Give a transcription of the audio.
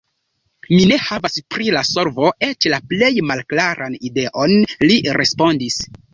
"Mi ne havas pri la solvo eĉ la plej malklaran ideon," li respondis.